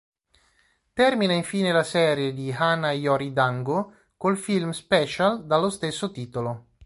Termina infine la serie di "Hana yori dango" col film Special dallo stesso titolo.